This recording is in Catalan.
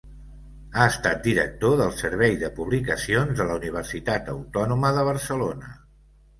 Ha estat director del Servei de Publicacions de la Universitat Autònoma de Barcelona.